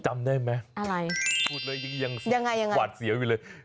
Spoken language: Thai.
จำได้ไหมอะไรพูดเลยยังยังยังไงยังไงหวัดเสียไว้เลย